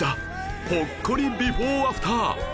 ほっこりビフォーアフター